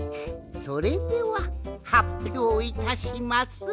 それでははっぴょういたします。